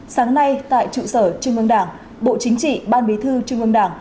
sáng nay tại trụ sở trung ương đảng bộ chính trị ban bí thư trung ương đảng